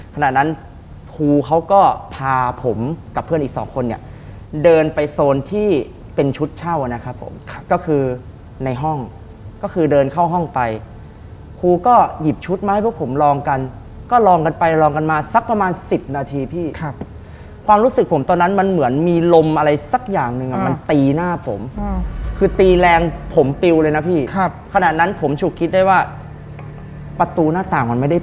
ขณะนั้นครูเขาก็พาผมกับเพื่อนอีกสองคนเนี่ยเดินไปโซนที่เป็นชุดเช่านะครับผมก็คือในห้องก็คือเดินเข้าห้องไปครูก็หยิบชุดมาให้พวกผมลองกันก็ลองกันไปลองกันมาสักประมาณสิบนาทีพี่ครับความรู้สึกผมตอนนั้นมันเหมือนมีลมอะไรสักอย่างหนึ่งอ่ะมันตีหน้าผมคือตีแรงผมปิวเลยนะพี่ครับขณะนั้นผมฉุกคิดได้ว่าประตูหน้าต่างมันไม่ได้